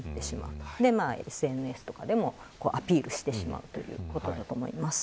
そしてＳＮＳでもアピールしてしまうということだと思います。